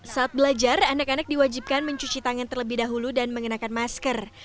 saat belajar anak anak diwajibkan mencuci tangan terlebih dahulu dan mengenakan masker